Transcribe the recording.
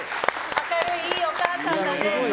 明るい、いいお母さんだね。